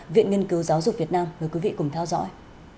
viện nghiên cứu giáo dục việt nam mời quý vị cùng theo dõi